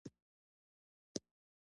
په افسانواواسطوروکې شهسوار سړی دی